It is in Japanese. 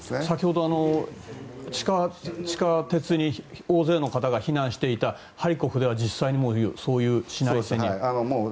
先ほど、地下鉄に大勢の方が避難していたハリコフでは実際にもう、そういう市内線に。